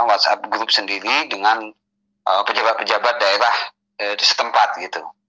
whatsapp group sendiri dengan pejabat pejabat daerah di setempat gitu